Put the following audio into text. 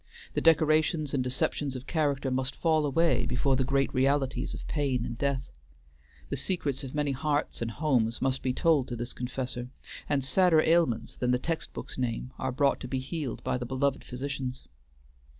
The decorations and deceptions of character must fall away before the great realities of pain and death. The secrets of many hearts and homes must be told to this confessor, and sadder ailments than the text books name are brought to be healed by the beloved physicians.